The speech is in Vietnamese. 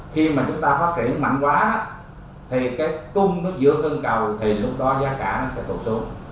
khi mà chúng ta phát triển mạnh quá thì cung nó dướng hơn cầu thì lúc đó giá cả nó sẽ thuộc xuống